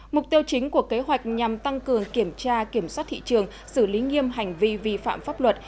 mục tiêu chính của kế hoạch nhằm tăng cường kiểm tra kiểm soát thị trường xử lý nghiêm hành vi vi phạm pháp luật